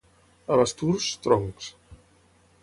A Basturs, troncs.